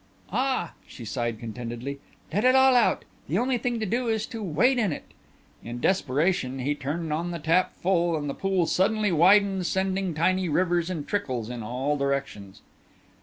"Ah," she sighed contentedly, "let it all out. The only thing to do is to wade in it." In desperation he turned on the tap full and the pool suddenly widened sending tiny rivers and trickles in all directions.